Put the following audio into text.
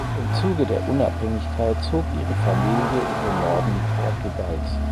Im Zuge der Unabhängigkeit zog ihre Familie in den Norden Portugals.